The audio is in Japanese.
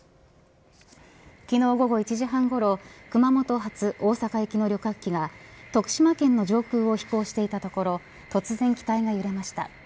昨日午後１時半ごろ熊本発、大阪行きの旅客機が徳島県の上空を飛行していたところ突然機体が揺れました。